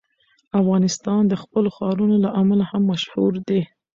افغانستان د خپلو ښارونو له امله هم مشهور دی.